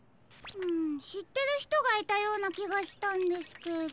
んしってるひとがいたようなきがしたんですけど。